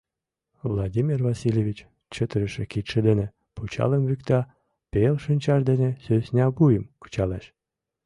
Владимир Васильевич чытырыше кидше дене пычалым викта, пел шинчаж дене сӧсна вуйым кычалеш.